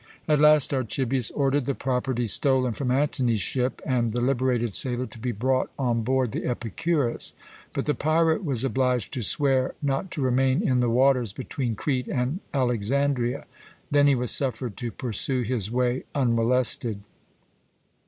At last Archibius ordered the property stolen from Antony's ship, and the liberated sailor to be brought on board the Epicurus, but the pirate was obliged to swear not to remain in the waters between Crete and Alexandria. Then he was suffered to pursue his way unmolested.